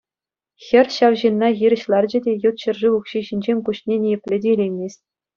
Хӗр ҫав ҫынна хирӗҫ ларчӗ те ют ҫӗршыв укҫи ҫинчен куҫне ниепле те илеймест.